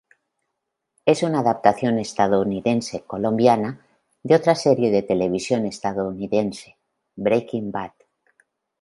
Es una adaptación estadounidense-colombiana de otra serie de televisión estadounidense, "Breaking Bad".